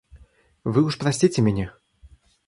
Вы уж простите меня.